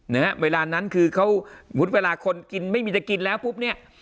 นะฮะเวลานั้นคือเขาสมมุติเวลาคนกินไม่มีจะกินแล้วปุ๊บเนี่ย